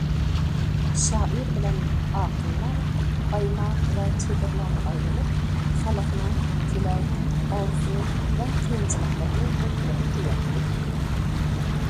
شائىر بىلەن ئاقىنلار ئايماق ۋە چېدىرلارنى ئايلىنىپ، خەلقنىڭ تىلەك، ئارزۇ ۋە قىيىنچىلىقلىرىنى ئوتتۇرىغا قوياتتى.